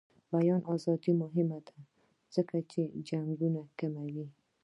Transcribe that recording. د بیان ازادي مهمه ده ځکه چې جنګونه کموي.